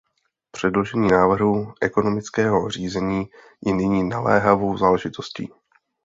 Předložení návrhu ekonomického řízení je nyní naléhavou záležitostí.